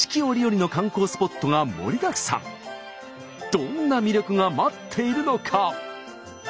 どんな魅力が待っているのか？